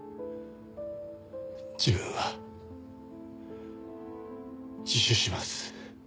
自分は自首します。